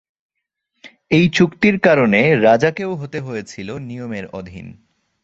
এই চুক্তির কারণে রাজা কেও হতে হয়েছিলো নিয়মের অধীন।